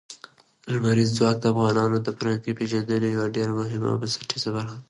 لمریز ځواک د افغانانو د فرهنګي پیژندنې یوه ډېره مهمه او بنسټیزه برخه ده.